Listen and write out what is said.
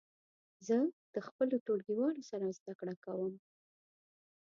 زه د خپلو ټولګیوالو سره زده کړه کوم.